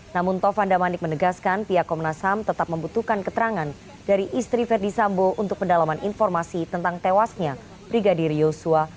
namun tovandamanik menegaskan pihak komnasam tetap membutuhkan keterangan dari istri verdi sambo untuk pendalaman informasi tentang tewasnya brigadir yosua